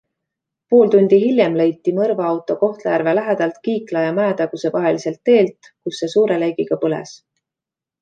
Pool tundi hiljem leiti mõrvaauto Kohtla-Järve lähedalt Kiikla ja Mäetaguse vaheliselt teelt, kus see suure leegiga põles.